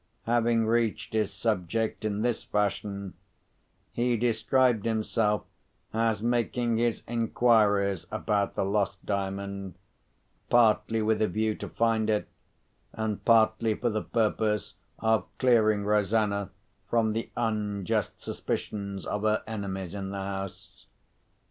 Having reached his subject in this fashion, he described himself as making his inquiries about the lost Diamond, partly with a view to find it, and partly for the purpose of clearing Rosanna from the unjust suspicions of her enemies in the house.